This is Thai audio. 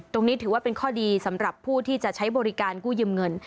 ถือว่าเป็นข้อดีสำหรับผู้ที่จะใช้บริการกู้ยืมเงิน